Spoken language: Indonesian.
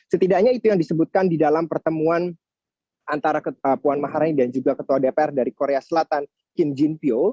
setidaknya itu yang disebutkan di dalam pertemuan antara puan maharani dan juga ketua dpr dari korea selatan kim jin pyo